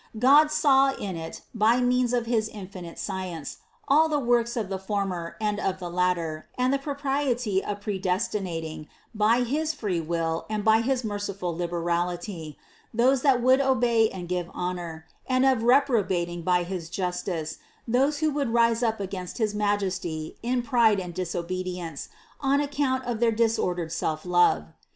God saw in it, by means of his infinite science, all the works of the former and of the latter and the propriety of pre destinating, by his free will and by his merciful liberality, those that would obey and give honor, and of reprobating by his justice those who would rise up against his Majesty in pride and disobedience on account of their disordered selflove.